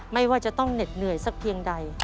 ไม่ว่าจะต้องเหน็ดเหนื่อยสักเพียงใด